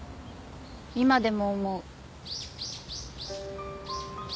今でも思う。